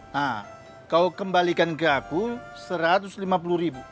nah kau kembalikan ke aku seratus lima puluh ribu